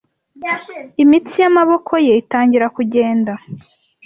imitsi y'amaboko ye itangira kugenda